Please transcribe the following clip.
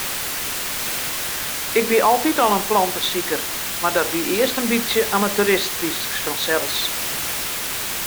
Ik wie altyd al in plantesiker, mar dat wie earst in bytsje amateuristysk fansels.